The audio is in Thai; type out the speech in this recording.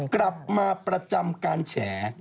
กลับมาประจำการแฉ